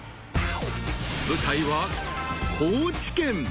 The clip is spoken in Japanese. ［舞台は高知県］